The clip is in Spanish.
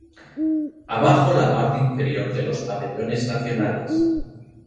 Abajo la parte inferior de los pabellones nacionales.